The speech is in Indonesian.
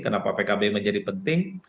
kenapa pkb menjadi penting